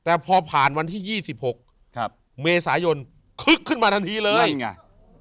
แต่พอผ่านวันที่ยี่สิบหกครับเมษายนคึกขึ้นมาทันทีเลยนี่ไง